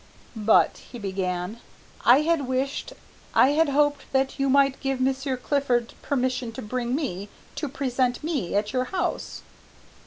"But," he began, "I had wished, I had hoped that you might give Monsieur Clifford permission to bring me, to present me at your house."